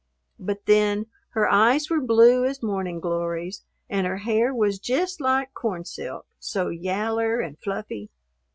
But then "her eyes were blue as morning glories and her hair was jist like corn silk, so yaller and fluffy."